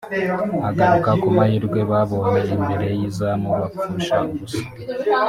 agaruka ku mahirwe babonye imbere y’izamu bapfusha ubusa